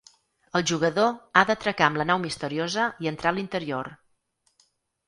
El jugador ha d'atracar amb la nau misteriosa i entrar a l'interior.